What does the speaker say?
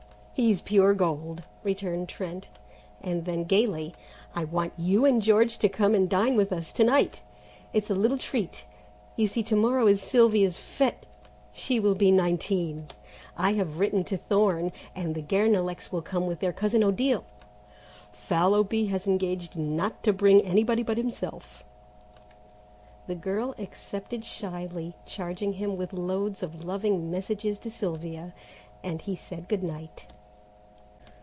"He's pure gold," returned Trent, and then gaily: "I want you and George to come and dine with us to night. It's a little treat, you see to morrow is Sylvia's fête. She will be nineteen. I have written to Thorne, and the Guernalecs will come with their cousin Odile. Fallowby has engaged not to bring anybody but himself." The girl accepted shyly, charging him with loads of loving messages to Sylvia, and he said good night.